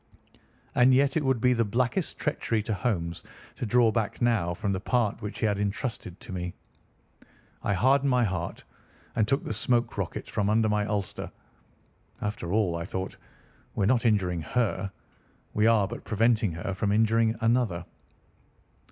And yet it would be the blackest treachery to Holmes to draw back now from the part which he had intrusted to me. I hardened my heart, and took the smoke rocket from under my ulster. After all, I thought, we are not injuring her. We are but preventing her from injuring another.